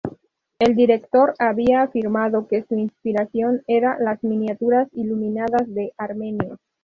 El director había afirmado que su inspiración era "las miniaturas iluminadas de Armenia.